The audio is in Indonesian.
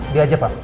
dia aja pak